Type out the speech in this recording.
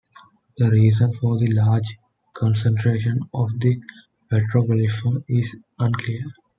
The reason for the large concentration of the petroglyphs is unclear.